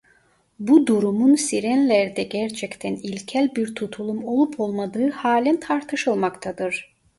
Bu durumun sirenlerde gerçekten ilkel bir tutulum olup olmadığı halen tartışılmaktadır.